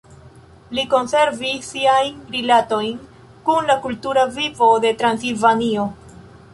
Li konservis siajn rilatojn kun la kultura vivo de Transilvanio.